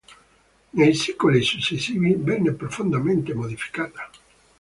Nei secoli successivi venne profondamente modificata.